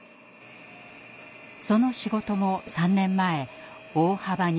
その仕事も３年前大幅に縮小。